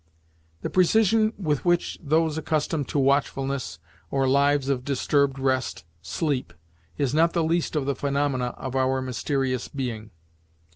The precision with which those accustomed to watchfulness, or lives of disturbed rest, sleep, is not the least of the phenomena of our mysterious being.